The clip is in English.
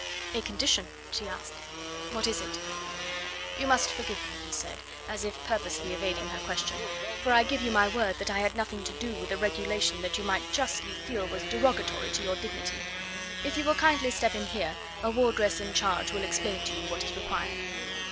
"A condition?" she asked. "What is it?" "You must forgive me," he said, as if purposely evading her question, "for I give you my word that I had nothing to do with a regulation that you might justly feel was derogatory to your dignity. If you will kindly step in here a wardress in charge will explain to you what is required."